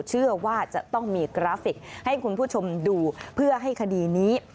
เชื่อว่าจะต้องมีกราฟิกให้คุณผู้ชมดูเพื่อให้คดีนี้